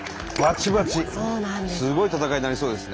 すごい戦いになりそうですね。